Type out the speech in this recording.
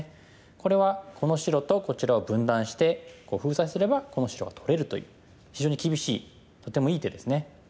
これはこの白とこちらを分断して封鎖すればこの白は取れるという非常に厳しいとてもいい手ですね。